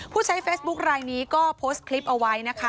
ผู้ใช้เฟซบุ๊คลายนี้ก็โพสต์คลิปเอาไว้นะคะ